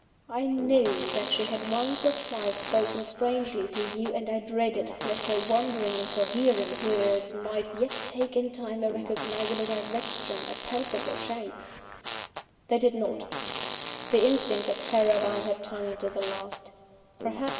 I knew that she had once or twice spoken strangely to you, and I dreaded lest her wandering, incoherent words might yet take in time a recognisable direction, a palpable shape. They did not; the instinct of terror bound her tongue to the last.